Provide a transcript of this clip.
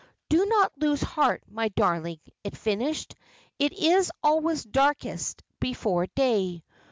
"Do not lose heart, my darling," it finished. "It is always darkest before day.